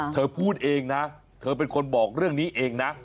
เธอพูดเองนะเธอเป็นคนบอกเรื่องนี้เองนะ